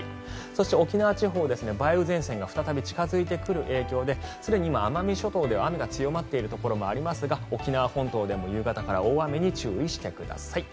そして、沖縄地方梅雨前線が再び近付いてくる影響ですでに今、奄美諸島では雨が強まっているところがありますが沖縄本島でも、夕方から大雨に注意してください。